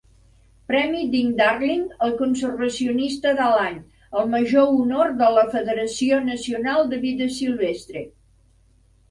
Premi Ding Darling al conservacionista de l'any, el major honor de la Federació Nacional de Vida Silvestre.